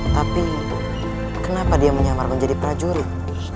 tapi kenapa dia menyamar menjadi prajurit